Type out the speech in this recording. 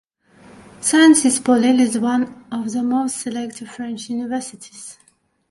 Sciences Po Lille is one of the most selective French universities.